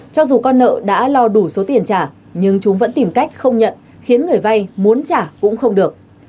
cho dù con nợ đã lo đủ số tiền trả nhưng chúng vẫn tìm cách không nhận khiến người vay muốn trả cũng không được